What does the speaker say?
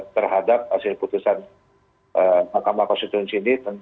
terhadap hasil putusan mahkamah konstitusi ini